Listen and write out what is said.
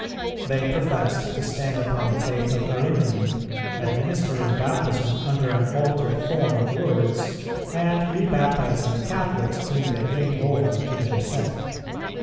They professed to stand upon the faith of Ariminum, administering Baptism under an altered form of words, and re baptizing Catholics whom they gained over to their sect.